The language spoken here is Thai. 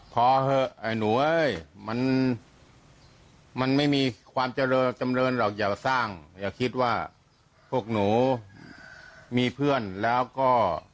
พอเถอะไอ้หนูเอ้ยมันไม่มีความเจริญจำเรินหรอกอย่าสร้างอย่าคิดว่าพวกหนูมีเพื่อนแล้วก็